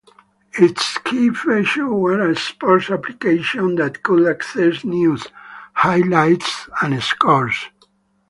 Its key feature was a sports application that could access news, highlights, and scores.